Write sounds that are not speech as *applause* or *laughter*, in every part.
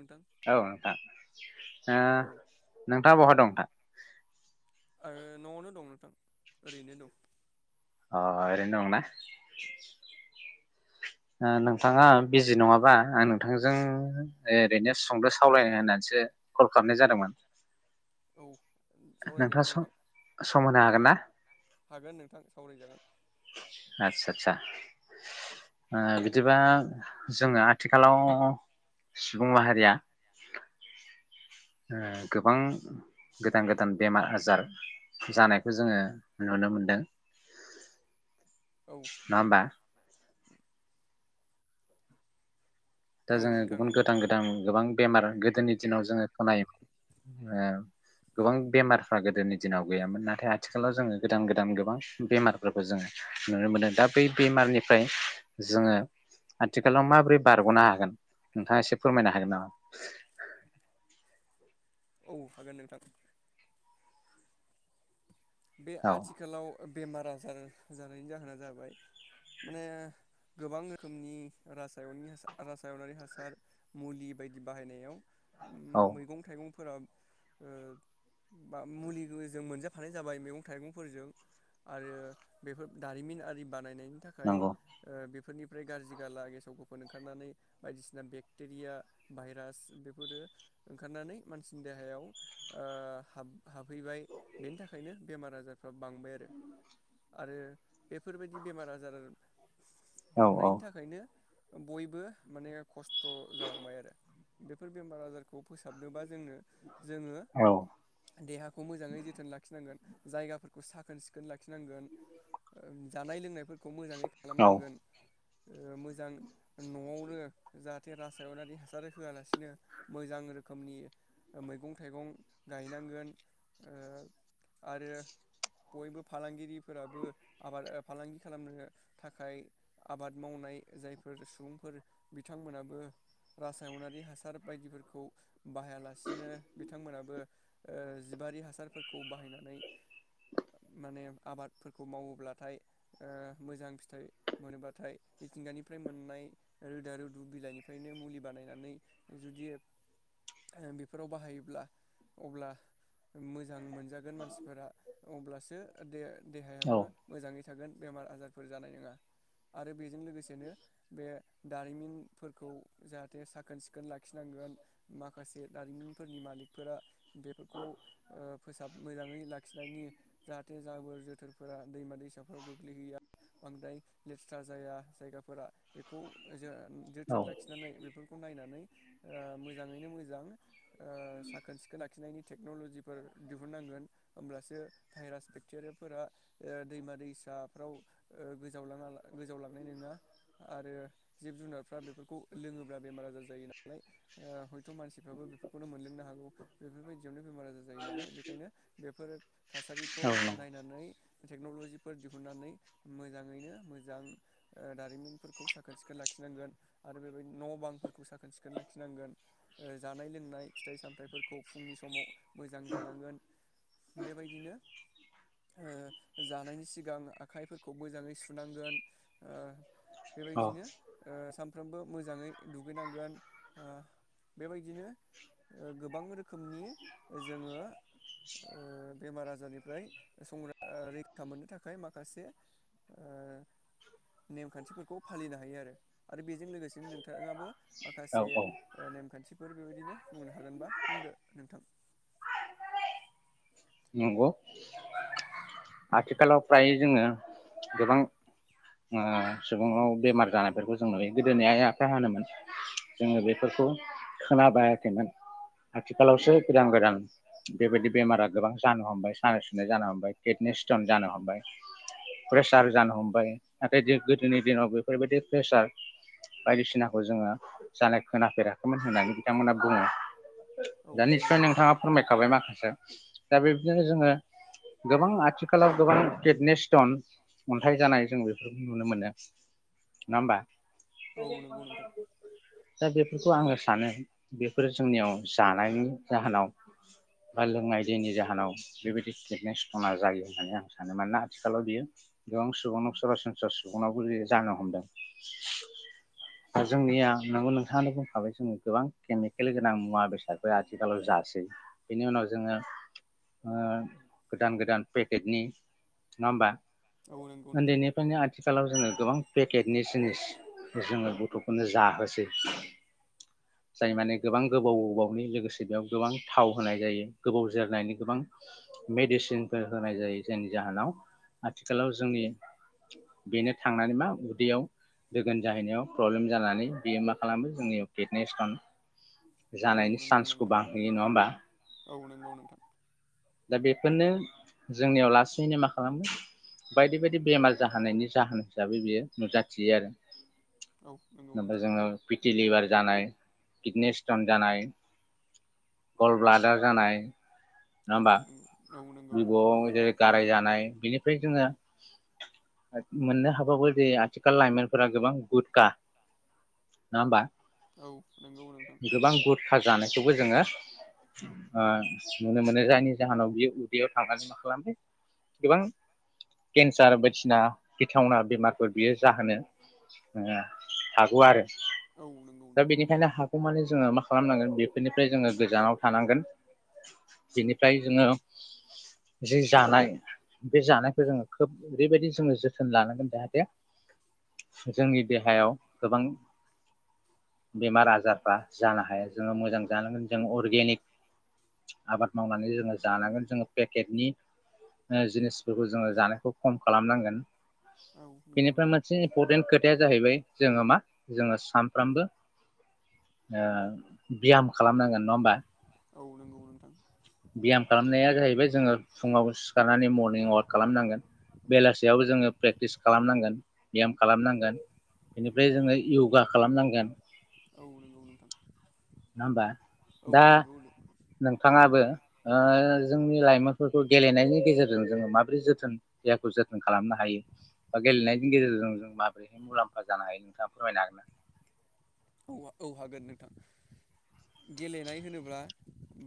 नोंथां औ नोंथा औ ओ नोंथाङा बहा दं दा? ओ न'आवनो दं नोंथां ओरैनो दं। अ ओरैनो दंना ओ नोंथाङा बिजि नङाबा आं नोंथांजों ओरैनो सुंद सावलायनो होननानैसो कल खालामनाय जादोंमोन। औ सावरायजागोन नोंथाङा नोंथां सम होनो हागोन ना? सावराय जागोन। आदचा-आदचा बिदिबा जोङो आथिखालाव सुबुं माहारिया ओ गोबां गोदान-गोदान बेमार आजार जानायखौ जोङो नुनो मोनदों। औ नङा होनबा। नोंथां दा औ जोङो नोंथां बेखौनो औ गोदान-गोदान गोबां बेमार गोदोनि दिनाव जोङो खोनायोमोन ओ गोबां बेमारफ्रा गोदोनि दिनाव गैयामोन नाथाय आथिखालाव जोङो गोदान-गोदान गोबां बेमारफोरखौ जोङो नुनो मोनो। दा बै बेमारनिफ्राय जोङो आथिखालाव माबोरै बारगनो हायो। गोन नोंथाङा एसे फोरमायनो हागोन नामा। औ हागोन नोंथां। बे औ आथिखालाव- बेमार आजार जानायनि जाहोना जाबाय माने गोबां रोखोमनि रासायना रासायनारि हासार मुलि बायदि बाहायनायाव औ मैगं थाइगं फोराव अ बा मुलिबो जों मोनजाफानाय जाबाय मैगं -थाइगंफोरजों आरो बेफोर दारिमिन आरि बानायनायनि थाखाय नंगौ ओ बेफोरनि ओमफ्राय गारजि गाला गेसाव गेफोन ओंखारनानै बायदिसिना बेक्टेरिया भाइरा नो बेमार आजार फ्राबो बांबाय आरो आरो बेफोरबायदि बेमार आजार औ औ बांनायनि थाखायनो बयबो माने खस्थ' जालांबाय आरो। बेफोर बेमार आजारखौ फोसाबनोबा जोंनो जोङो औ देहाखौ मोजाङै जोथोन ला नांगोन जायगा फोरखौ साखोन सिखोन लाखिनांगोन ओ जानाय लोंनायफोर खौ मोजाङै खालाम नांगोन। ओ मोजां न'आवनो जाहाथे रासायनारि हासार होयालासिनो मोजां रोखोमनि मैगं थाइगं गायनांगोन ओ आरो बयबो फालांगिरिफोराबो आबाद फालांगि खालामनो थाखाय आबाद मावनाय जायफोर सुबुंफोर बिथांमोनाबो रासायनारि हासार बायदिफोरखौ बाहायालासिनो बिथांमोनाबो ओ जिबारि हासार फोर खौ बाहायनानै माने आबादफोरखौ मावोब्लाथाय ओ मोजां फिथाइ मोनोब्लाथाय मिथिंगानिफ्राय मोननाय रोदा रुदु बिलाइनिफ्रायनो मुलि बानायनानै जुदि बेफोराव बाहायोब्ला अब्ला मोजां मोजागोन मानसिफोरा। अब्लासो दे देहायाबो औ मोजाङै थागोन बेमार आजारफोर जानाय नङा आरो बेजों लोगोसेनो बे दारिमिनफोरखौ जाहाथे साखोन सिखोन लाखिनांगोन माखासे दारिमिनफोरनि मालिकफोरा बेफोरखौ ओ फोसाब मोजाङै लाखिनायनि जाहाथे जाबोर जोथोरफोरा दैमा दैसाफ्राव गोग्लैहैया बांद्राय लेथ्रा जाया जायगाफोरा बेखौ जों औ जोथोन लाखिनानै बेफोरखौ नायनानै ओ मोजाङैनो मोजां ओ साखोन सिखोन लाखिनायनि टेक्न'ल'जिफोर नांगोन अमब्लासो भाइरास भेकटेरिया फोरा अ दैमा - दैसाफ्राव गोजाव नांगोन होनब्लासो भायराज बेक्टेरियाफोरा ओ दैमा दैसाफ्राव ओ गोजाव लाङा गोजाव लांनाय नङा आरो जिब जुनारफ्रा बेफोरखौ लोड़ोब्ला बेमार आजार जायो नालाय हयथ' मानसिफ्राबो बेफोरखौनो मोनलोंनो हागौ बेफोर बायदि आवनो बेमार आजार जायो नालाय। बेखायनो बेफोर थासारिखौ नंगौ नायनानै टेक्न'ल'जिफोर दिहुनन्नानै मोजाङैनो मोजां ओ दारिमिनफोरखौ साखोन सिखोन लाखिनांगोन आरो बेबायदि न' बांफोरखौ साखोन सिखोन लाखिनांगोन जानाय लोंनाय फिथाइ सामथाइफोरखौ फुंनि समाव मो जानांगोन। बेबायदिनो ओ जानायनि सिगां आखाइफोरखौ मोजाङै सुनांगोन ओ औ बेबायदिनो ओ सानफ्रोमबो मोजाङै दुगैनांगोन ओ बेबायदिनो ओ गोबां रोखोमनि जोङो ओ बेमार आजारनि फ्राय संरा रैखा मोननो थाखाय माखासे ओ नेमखान्थिफोरखौ फालिनो हायो आरो बे जों लोगोसेनो नोंथांङाबो माखासे औ औ ओ नेमखान्थिफोर बे बिनो बुंनो हागोनबा बुंदो नोंथां नंगौ आथिखालावफ्राय जोंङो गोबां ओ सुबुंआव बेमार जानायफोरखौ जों नुयो गोदोनि आइ आफाया होनोमोन जोंङो बेफोरखौ खोनाबायाखैमोन आथिखालावसो गोदान- गोदान बेबायदि बेमारा गोबां जानो हमबाय सानाय सुनाय जानो हमबाय किदनि स्टन जानो हमबाय सार जानो हमबाय नाथाय जों गोदोनि दिनाव बेफोरबायदि प्रेसार बायदिसिनाखौ जोंङो जानाय खोनाफेराखैमोन होननानै बिथांमोना बुङो औ दा नंगौ निस्य नोंथां नोंथांङा फोरमायखाबाय माखासे बि *unintelligible* दा बेबदिनो जोंङो गोबां आथिखालाव गोबां किडनि स्टन अन्थाइ जानाय जों बेफोरखौ नुनो मोनो नङा होमबा औ नंगौ नोंथां *unintelligible* दा बेफोरखौ आंङो सानो बेफोरो जोंनियाव जानायनि जाहोनाव बा लोंनाय जेनि जाहोनाव बेबायदि किदने स्टनाजायो होननानै आं सानो मानोना आथिखालाव बियो गोबां सुबुंन सरासनस्रा सुबुंनावबो जानो हमदों दा जोंनिया नोंगौ नोंथांङानो बुंखाबाय जों गोबां केमिकेल गोनां मुवा बेसादफोर आथिखालाव जासै बेनि उनाव जोंङो ओ गोदान- गोदान पेकेटनि नंङा होमबा औ नंगौ नोंथां उन्दैनिफ्रायनो आथिखालाव जोंङो गोबां पेकेटनि जिनिस जोंङो गथ'फोरनो जाहोसै जाय माने गोबां गोबाव -गोबनि लोगोसे बेयाव गोबां थाव होनाय जायो गोबाव जोरनायनि गोबां मेडिसिनफोर होनाय जायो जायनि जाहोनाव आथिखालाव जोंनि बेनो थांनानै मा उदैयाव दोगोन जाहैनायाव प्रब्लेम जानानै बेयो मा खालामो जोंनियाव किडनि स्टन औ जानायनि नंगौ सान्सखौ नोंथां बांहैयो नंङा होमबा औ नंगौ नोंथां दा बेफोरनो जोंनियाव लासैनो मा खालामगो बायदि बायदि बेमार जाहोनायनि जाहोन हिसाबै बियो नुजाथियो आरो औ नंगौ ओफ्राय नोंथां जोंङो पिटिलिभार जानाय किडनि स्टन जानाय गल ब्लाडार जानाय औ औ नंगौ नोंथां बिबुआव जेरै गाराय जानाय बिनि ओमफ्राय जोंङो मोननो हाबाबो जे आथिखाल लाइमोनफोरा गोबां गुदखा नङा होमबा औ नंगौ नोंथां खा जानायखौबो जोंङो ओ नुनो मोनो जायनि जाहोनाव बियो बेयाव थांनानै मा खालामबाय गोबां केन्सार बायदिसिना गिथावना बेमारफोर बियो जाहोनो ओ हागौ औ आरो औ नंगौ दा नोंथां बेनिखायनो हागौ माने जोंङो मा खालामनांगोन बेफोरनिफ्राय जोंङो गोजानाव थानांगोन। बेनिफ्राय जोङो जि जानाय बे जानायखौ जोंङो खोब ओरैबायदि जोङो जोथोन लानांगोन जाहाथे जोंनि देहायाव गोबां बेमार आजारफ्रा जानो हाया जोंङो मोजां जानांगोन। जों अर्गेनिक आबाद मावनानै जोङो जानांगोन। फेकेटनि जिनिसफोरखौ जों जानायखौ खम खालामनांगोन। औ नंगौ बेनिफ्राय नोंथां मोनसे इम्परटेन्ट खोथाया जाहैबाय जोंङो मा जोंङो सानफ्रामबो ब्याम खालामनांगोन नंङा होमबा। औ नंगौ नोंथां ब्याम खालामनाया जाहैबाय जोंङो फुङाव सिखारनानै मरनिं अवाक खालामनांगोन, बेलासियाव जोंङो प्रेक्टिस खालामनांगोन, ब्याम खालामनांगोन बेनिफ्राय जोंङो यगा खालामनांगोन। औ नंगौ नोंथां। नङा होमबा औ दा नंगौ नोंथाङाबो ओ जोंनि लाइमोनफोरखौ गेलेनायनि गेजेरजों जोङो माबोरै जोथोन देहाखौ जोथोन खालामनो हायो बा गेलेनायनि गेजेरजों जों माबोरैहाय मुलाम्फा जानो हायो नोंथाङा फोरमायनो हागोन ना औ औ हागोन नोंथां गेलेनाय होनोब्ला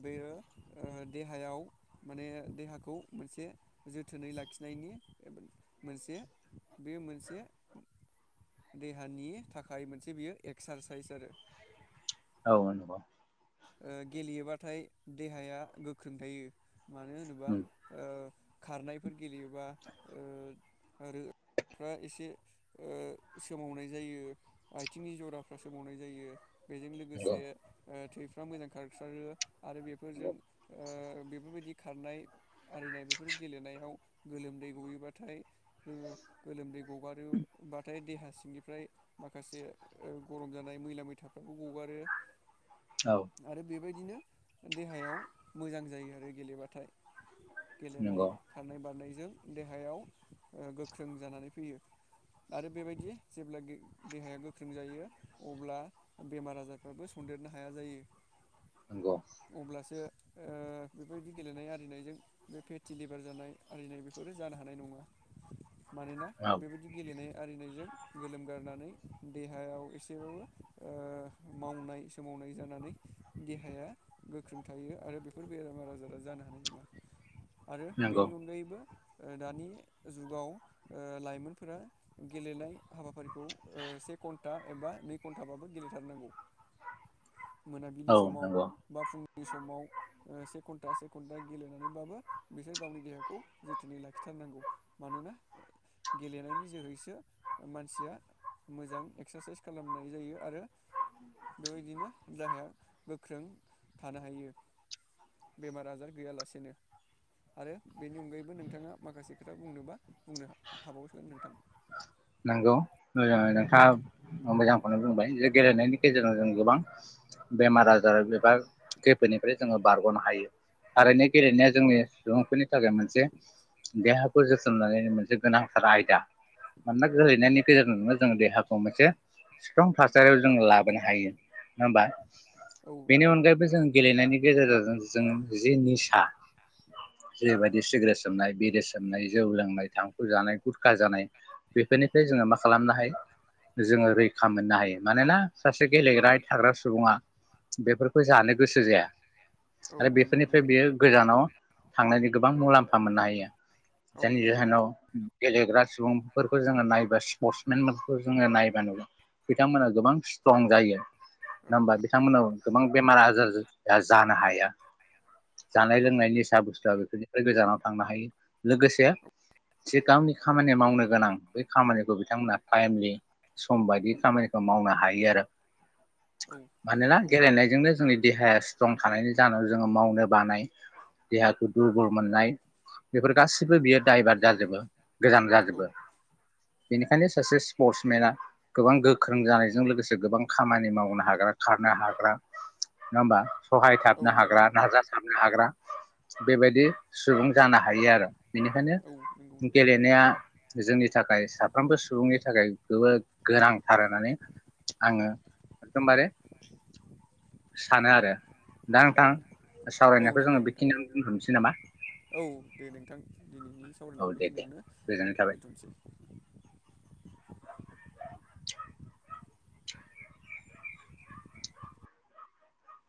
बेयो ओ देहायाव माने देहाखौ मोनसे जोथोनै लाखिनायनि मोनसे बे मोनसे देहानि थाखाय मोनसे बियो ए एक्सारसाइस आरो औ नोंगौ ओ गेलेयोबाथाय देहाया गोख्रों थायो मानो होनोबा उम ओ खारनायफोर गेलेयोबा ओ आरोफ्रा एसे ओ सोमावनाय जायो आथिंनि जराफ्रा सोमावनाय जायो बेजों लोगोसे ओ थै मोजां खारसारो आरो बेफोरजों ओ बेफोरबायदि खारनाय आरिनाय बेफोर गेलेनायाव गोलोमदै गयोबाथाय गोलोमदै गगारोब्लाथाय देहा सिंनिफ्राय माखासे गरम जानाय मैला मैथाफ्राबो गगारो आरो बेबायदि बिदिनो देहायाव मोजां जायो आरो गेलेबाथाय नंगौ औ गेलेनाय नंगौ खारनाय बारनायजों देहायाव ओ गोख्रों जानानै फैयो आरो बेबायदि जेब्ला देहाया गोख्रों जायो अब्ला बेमार आजारफ्राबो सदेरनो हाया जायो नंगौ अब्लासो ओ बेबायदि गेलेनाय आरिनायजों बे फेटि लिभार जानाय आरिनाय बेफोरो जानो हानाय नङा मानोना औ बेबायदि गेलेनाय आरिनायजों गोलोमगारनानै देहायाव एसेबाबो ओ मावनाय सोमावनाय जानानै देहाया गोख्रों थायो आरो बेफोर बेरामार आजारा जानो हानाय नङा आरो नंगौ बेनि अनगायैबो दानि जुगाव ओ लाइमोनफोरा गेलेनाय हाबाफारिखौ से घन्टा एबा नै घन्टाबाबो गेलेथारनांगौ मोनाबिलि औ समाव नंगौ बा फुं उनि समाव से घन्टा से घन्टा गेलेनानैबाबो बिसोर गावनि देहाखौ जोथोनै लाखिथारनांगौ मानोना गेलेनायनि जोहैसो मानसिया मोजां एक्सारसाइस खालामनाय जायो आरो बेबायदिनो देहाया गोख्रों थानो हायो बेमार आजार गैयालासेनो आरो बेनि अनगायैबो नोंथाङा माखासे खोथा बुंनोबा बुंनो हाबावगोन नोंथां नोंगौ ओ नोंथां मोजांखौनो बुंबाय जे गेलेनायनि गेजेरजों जों गोबां बेमार आजार एबा खैफोदनिफ्राय जोङो बारग'नो हायो थारैनो गेलेनाया जोंनि सुबुंफोरनि थाखाय मोनसे देहाखौ जोथोन लानायनि मोनसे गोनांथार आयदा मानोना गेलेनायनि गेजेरजोंनो जोङो देहाखौ मोनसे सिथ्रं थासारियाव जोङो लाब हायो नङा होमबा औ बेनि नंगौ नोंथां अनगायैबो जों गेलेनायनि गेजेरजों जोंङो जि निसा जेरैबायदि सिग्रेट सोबनाय बिरे सोबनाय जौ लोंनाय थांखु जानाय गुरखा जानाय बेफोरनिफ्राय जोङो मा खालामनो हायो जोङो रैखा मोननो हायो मानोना सासे गेलेग्रा थाग्रा सुबुङा बेफोरखौ जानो गोसो जाया औ आरो नंगौ बेफोरनिफ्राय नोंथां बेयो गोजानाव थांनायनि गोबां मुलाम्फा मोननो हायो औ जायनि नंगौ जाहोनाव नोंथां गेलेग्रा सुबुंफोरखौ जोङो नायबाय। स्पर्टसमेनफोरखौ जोङो नायबा नुयो बिथांमोना गोबां स्ट्रं जायो। नङा हबा बिथांमोनाव गोबां। बेमार आजार जानो हाया जानाय औ लोंनाय निसा बुस्थुआ बेफोरनिफ्राय गोजानाव थांनो हायो लोगोसे जे गावनि खामानि मावनो गोनां बै खामानिखौ बिथांमोनहा टाइमलि सम बायदि खामानिखौ मावनो हायो आरो नंगौ मानोना गेलेनायजोंनो जोंनि देहाया स्ट्रं थानायनि जाहोनाव जोङो मावनो बानाय देहाखौ दुरबल मोननाय बेफोर गासिबो बियो दाइभार्ट जाजोबो गोजान औ जाजोबो बेनिखायनो बेंखायनो सासे स्पर्टसमेना गोबां गोख्रों जानायजों लोगोसे गोबां खामानि मावनो हाग्रा खारनो हाग्रा नङा होमबा औ सहायथाबनो नंगौ हाग्रा नोंथां नाजाथाबनो हाग्रा बेबायदि सुबुं जानो हायो। हायो आरो बेनिखायनो औ नंगौ नोंथां औ नंगौ नोंथां गेलेनाया जोंनि थाखाय साफ्रोमबो सुबुंनि थाखाय जबोद गोनांथार होननानै आङो एखदमबारे सानो आरो दा औ नोंथां औ सावरायनायखौ नंगौ जोङो नोंथां बेखिनियावनो दोनथ'नोसै नामा औ दे नोंथां दिनैनि औ सावरायनाय दे दे बेखिनियावनो गोजोननाय थाबाय दोन्थ'सै